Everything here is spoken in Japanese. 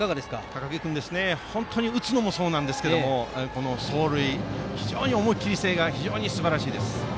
高木君は打つのもそうなんですが走塁も非常に思い切りせいがすばらしいです。